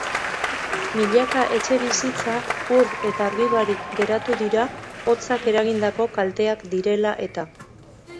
Milaka etxebizitza ur eta argi barik geratu dira hotzak eragindako kalteak direla eta.